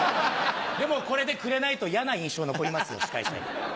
でもこれでくれないと嫌な印象残りますよ司会者に。